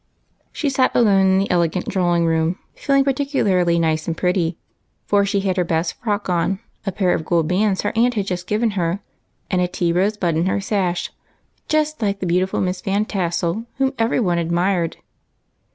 She sat alone in the elegant drawing room, feeling particularly nice and pretty, for she had her best frock on, a pair of gold bands her aunt had just given her, and a tea rose bud in her sash, like the beautiful Miss Van Tassel, whom every one admired.